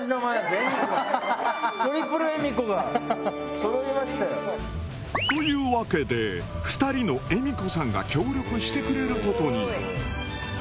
そろいましたよ。というわけで２人のエミコさんが協力してくれることに。